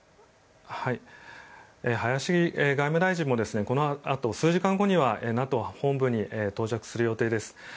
林外務大臣もこのあと数時間後にはＮＡＴＯ本部に到着する予定です。